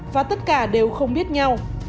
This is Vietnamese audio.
và tất cả đều không biết nhau